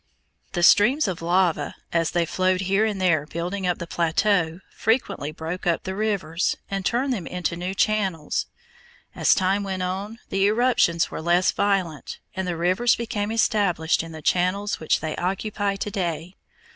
The streams of lava, as they flowed here and there building up the plateau, frequently broke up the rivers and turned them into new channels. As time went on the eruptions were less violent, and the rivers became established in the channels which they occupy to day.